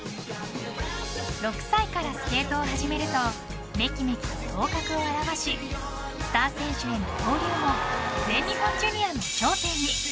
６歳からスケートを始めるとめきめき頭角を現しスター選手の登竜門全日本ジュニアの頂点に。